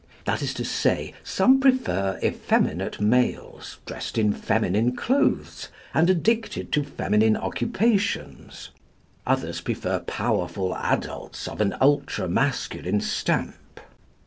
That is to say, some prefer effeminate males, dressed in feminine clothes and addicted to female occupations. Others prefer powerful adults of an ultra masculine stamp.